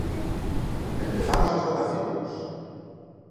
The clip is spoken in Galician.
Empezamos as votacións.